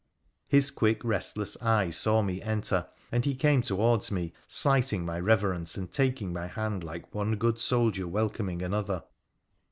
His quick, restless eye saw me enter, and he came towards me, slighting my reverence, and taking my hand like one good soldier welcoming another.